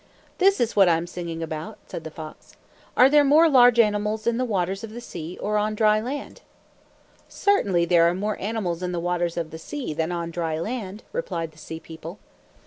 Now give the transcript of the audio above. "This is what I am singing about," said the fox. "Are there more large animals in the waters of the sea, or on dry land?" "Certainly there are more animals in the waters of the sea than on dry land," replied the sea people.